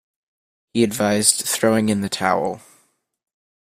He advised throwing in the towel.